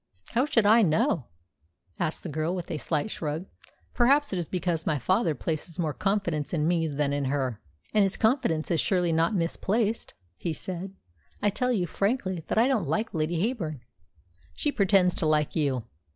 "How should I know?" asked the girl, with a slight shrug. "Perhaps it is because my father places more confidence in me than in her." "And his confidence is surely not misplaced," he said. "I tell you frankly that I don't like Lady Heyburn." "She pretends to like you."